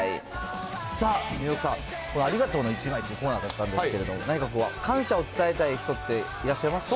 さあ、ニューヨークさん、このありがとうの１枚というコーナーだったんですけども、何か感謝を伝えたい人っていらっしゃいますか？